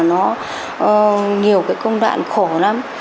nhiều cái công đoạn khổ lắm